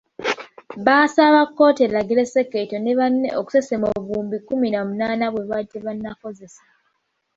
Baasaba kkooti eragire Senkeeto ne banne okusesema obuwumbi kkumi na munaana bwe baali tebannakozesa.